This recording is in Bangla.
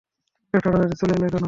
এত তাড়াতাড়ি চলে এলে কেন?